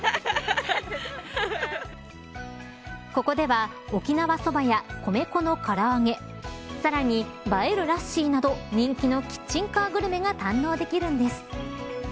ここでは沖縄そばや米粉の唐揚げさらに、映えるラッシーなど人気のキッチンカーグルメが堪能できるんです。